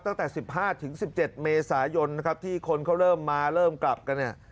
ตั้งแต่๑๕๑๗เมษายนที่คนเขาเริ่มมาเริ่มกลับกัน